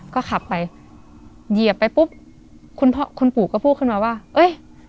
ก็ขับไปเหยียบไปปุ๊บคุณพ่อคุณปู่ก็พูดขึ้นมาว่าเอ้ย